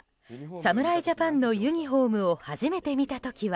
侍ジャパンのユニホームを初めて見たときは。